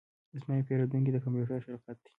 زما یو پیرودونکی د کمپیوټر شرکت دی